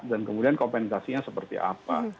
kemudian kompensasinya seperti apa